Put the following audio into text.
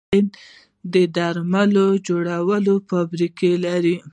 هند د درملو جوړولو فابریکې لري.